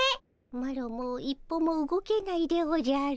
マロもう一歩も動けないでおじゃる。